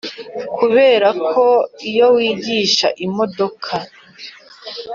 Kubera ko iyo wigisha imodoka